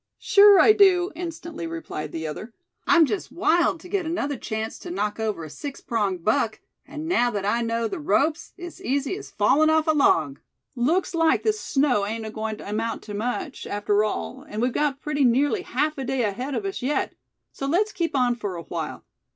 "Sure I do," instantly replied the other. "I'm just wild to get another chance to knock over a six pronged buck; and now that I know the ropes, it's easy as falling off a log. Looks like this snow ain't agoing to amount to much, after all; and we've got pretty nearly half a day ahead of us yet. So let's keep on for a while.